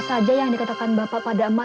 apa saja yang dikatakan bapak pada mak